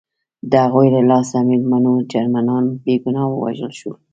د هغوی له لاسه میلیونونه جرمنان بې ګناه ووژل شول